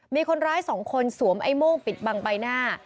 มีคนร้าย๒คนสวมไอ้โม่งปิดบังใบหน้า